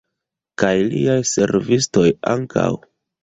Kaj liaj servistoj ankaŭ?